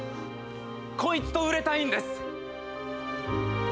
こいつと売れたいんです！